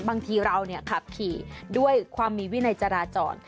บางทีเราขับขี่ด้วยความมีวินัยจราจร